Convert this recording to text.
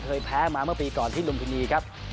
แพ้มาเมื่อปีก่อนที่ลุมพินีครับ